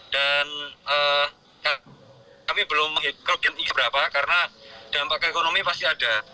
dan kami belum mengikuti berapa karena dampak keekonomi pasti ada